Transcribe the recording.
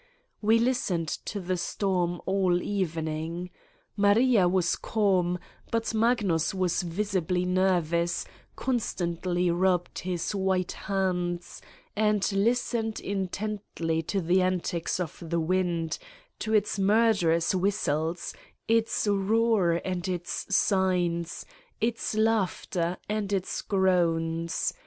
We listened to the storm all evening. Maria was calm but Magnus was visibly nervous, con 104 Satan's Diary stantly rubbed his white hands and listened in tently to the antics of the wind : to its murderous whistle, its roar and its signs, its laughter and its groans